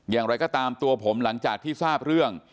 อย่างไรก็ตามตัวผมหลังจากที่ทราบเรื่อง